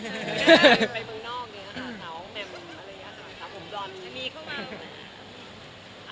ไปเมืองนอกหาเจ้าแม่มอะไรอย่างนี้ครับหาผมร้อนมีเข้ามามั้ย